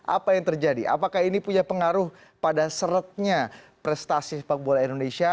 apa yang terjadi apakah ini punya pengaruh pada seretnya prestasi sepak bola indonesia